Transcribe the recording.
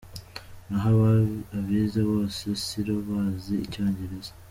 Naho abize bose silo bazi icyongereza.